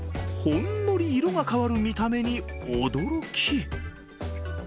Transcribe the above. ほんのり色が変わる見た目に驚き。